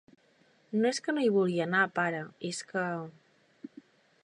No és que no hi vulgui anar, pare, és que...